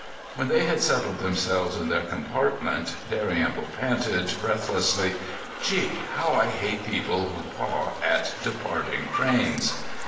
When they had settled themselves in their compartment Dalrymple panted, breathlessly: "Gee! How I hate people who paw at departing trains."